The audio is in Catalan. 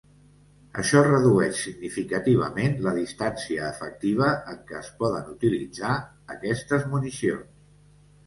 Això redueix significativament la distància efectiva en què es poden utilitzar aquestes municions.